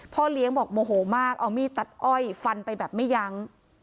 เลี้ยงบอกโมโหมากเอามีดตัดอ้อยฟันไปแบบไม่ยั้ง